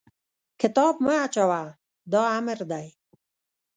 کتاب مه اچوه! دا امر دی.